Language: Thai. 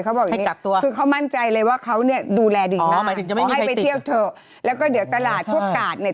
เขาบอกอย่างนี้คือเขามั่นใจเลยว่าเขาดูแลดีมากเพราะให้ไปเที่ยวเถอะแล้วก็เดี๋ยวตลาดพวกตาดเนี่ย